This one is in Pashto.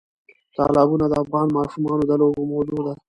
تالابونه د افغان ماشومانو د لوبو موضوع ده.